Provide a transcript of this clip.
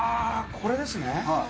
これですね。